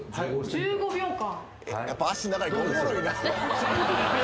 １５秒間。